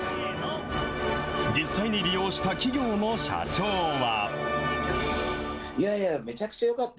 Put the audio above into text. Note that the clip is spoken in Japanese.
実際に利用した企業の社長は。